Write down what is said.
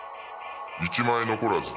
１枚残らず。